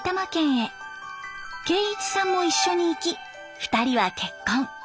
圭一さんも一緒に行き２人は結婚。